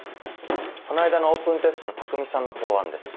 この間のオープンテストの匠さんの答案です。